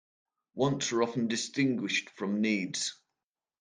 Wants are often distinguished from needs.